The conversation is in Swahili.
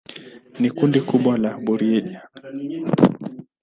Ni kundi kubwa la burudani, studio ya filamu na studio ya rekodi.